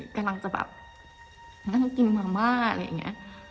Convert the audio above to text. กำลังจะแบบนั่งกินเมืองม่าอะไรอย่างนี้